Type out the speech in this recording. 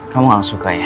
kamu gak suka ya